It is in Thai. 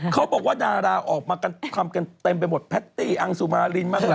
เขาบอกว่าดาราออกมากันทำกันเต็มไปหมดแพตตี้อังสุมารินบ้างล่ะ